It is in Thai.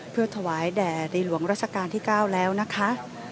เพื่อถวายแด่ในหลวงราชการที่๙แล้วนะคะ